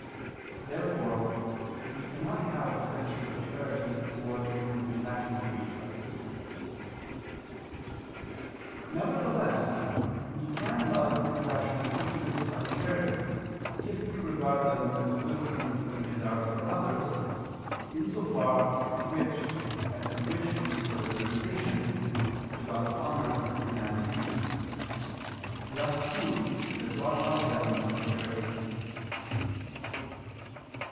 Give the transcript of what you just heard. Therefore we cannot have the friendship of charity towards an irrational creature. Nevertheless we can love irrational creatures out of charity, if we regard them as the good things that we desire for others, in so far, to wit, as we wish for their preservation, to God's honor and man's use; thus too does God love them out of charity.